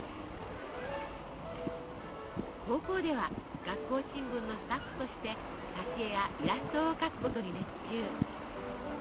高校では学校新聞のスタッフとして挿絵やイラストを描くことに熱中。